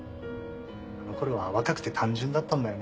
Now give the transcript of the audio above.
あの頃は若くて単純だったんだよね。